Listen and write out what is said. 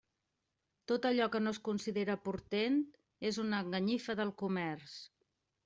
Tot allò que no es considere portent és una enganyifa del comerç.